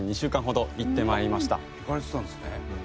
行かれてたんですね。